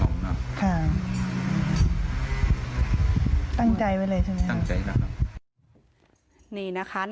เพราะพ่อเชื่อกับจ้างหักข้าวโพด